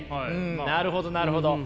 なるほどなるほど。